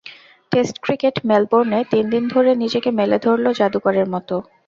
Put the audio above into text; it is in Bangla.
টেস্ট ক্রিকেট মেলবোর্নে তিন দিন ধরে নিজেকে মেলে ধরল জাদুকরের মতো।